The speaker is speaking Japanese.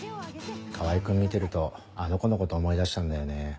川合君見てるとあの子のこと思い出しちゃうんだよね。